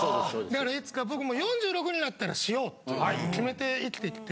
だからいつか僕も４６になったらしようって決めて生きてきて。